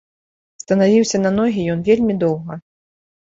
Станавіўся на ногі ён вельмі доўга.